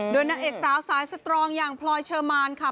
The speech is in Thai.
โดยนางเอกสาวสายสตรองอย่างพลอยเชอร์มานค่ะ